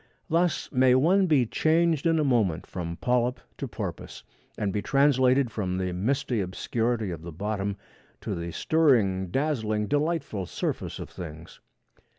Thus may one be changed in a moment from polyp to porpoise, and be translated from the misty obscurity of the bottom to the stirring, dazzling, delightful surface of things.